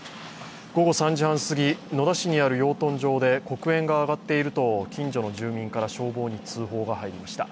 午後３時半すぎ、野田市にある養豚場で黒煙が上がっていると近所の住民から消防に通報が入りました。